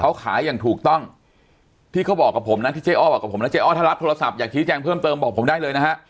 เขาขายอย่างถูกต้องที่เขาบอกกับผมนะที่เจ๊อ้อบอกกับผมนะเจ๊อ้อถ้ารับโทรศัพท์อยากชี้แจงเพิ่มเติมบอกผมได้เลยนะฮะ